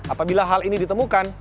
apabila hal ini ditemukan